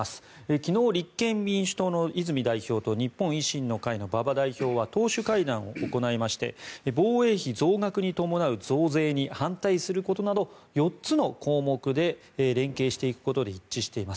昨日、立憲民主党の泉代表と日本維新の会の馬場代表は党首会談を行いまして防衛費増額に伴う増税に反対することなど４つの項目で連携していくことで一致しています。